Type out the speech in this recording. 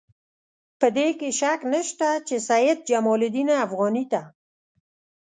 په دې کې شک نشته چې سید جمال الدین افغاني ته.